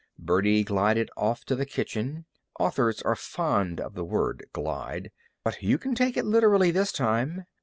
Birdie glided off to the kitchen. Authors are fond of the word "glide." But you can take it literally this time.